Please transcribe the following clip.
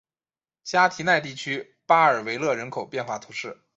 加提奈地区巴尔维勒人口变化图示